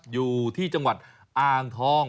อยู่ที่จังหวัดอ่างทอง